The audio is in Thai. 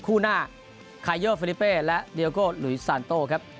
คู่หน้าคาเยอร์ฟิลิเป้และเดียโกหลุยซานโต้ครับ